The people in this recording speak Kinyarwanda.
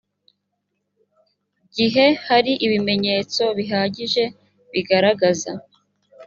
gihe hari ibimenyetso bihagije bigaragaza